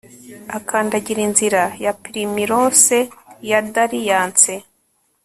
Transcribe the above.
Akandagira inzira ya primrose ya dalliance